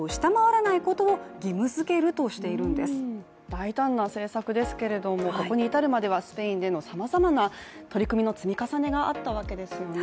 大胆な政策ですけれどもここに至るまではスペインでのさまざまな取り組みの積み重ねがあったわけですよね。